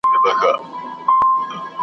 دغه که ګناه وي زه پخوا دوږخ منلی یم .